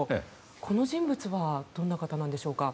この人物はどんな方なんでしょうか。